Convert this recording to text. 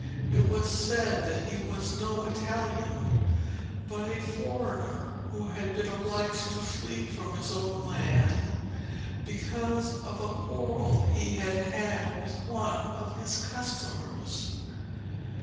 It was said that he was no Italian, but a foreigner who had been obliged to flee from his own land because of a quarrel he had had with one of his customers.